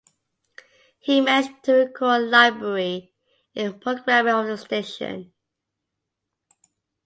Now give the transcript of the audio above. He managed the record library and programming of the station.